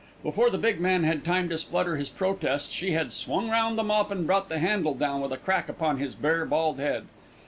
Before the big man had time to splutter his protests, she had swung round the mop and brought the handle down with a crack upon his bare, bald head.